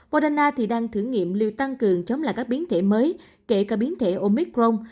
moderna thì đang thử nghiệm lưu tăng cường chống lại các biến thể mới kể cả biến thể omicron